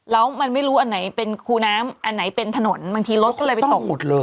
แล้วมันไม่รู้อันไหนเป็นคูน้ำอันไหนเป็นถนนบางทีรถก็เลยไปตกหมดเลย